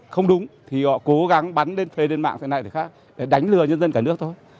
không đúng thì họ cố gắng bắn lên phê lên mạng thế này thế khác để đánh lừa nhân dân cả nước thôi